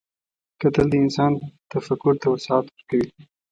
کتل د انسان تفکر ته وسعت ورکوي